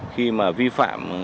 khi mà vi phạm